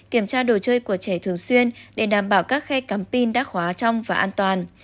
kiểm tra đồ chơi của trẻ thường xuyên để đảm bảo các khe cắm pin đã khóa trong và an toàn